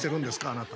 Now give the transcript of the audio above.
あなた。